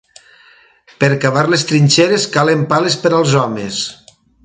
Per cavar les trinxeres, calen pales per als homes.